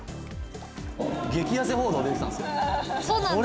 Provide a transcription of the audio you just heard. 激痩せ報道出てたんですけど。